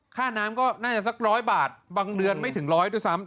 ค่าน้ำก็น่าจะสัก๑๐๐บาทบางเดือนไม่ถึงร้อยด้วยซ้ำ